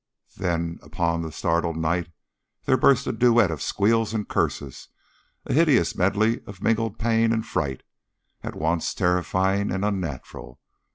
Then upon the startled night there burst a duet of squeals and curses, a hideous medley of mingled pain and fright, at once terrifying and unnatural.